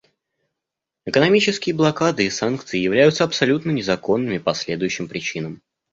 Экономические блокады и санкции являются абсолютно незаконными по следующим причинам.